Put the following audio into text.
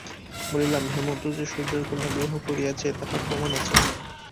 বলিলাম, হেমন্ত যে শূদ্রের কন্যা বিবাহ করিয়াছে তাহার প্রমাণ আছে।